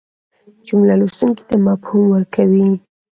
جمله لوستونکي ته مفهوم ورکوي.